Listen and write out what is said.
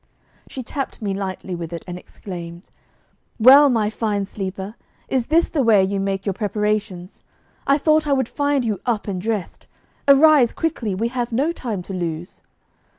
She tapped me lightly with it, and exclaimed: 'Well, my fine sleeper, is this the way you make your preparations? I thought I would find you up and dressed. Arise quickly, we have no time to lose.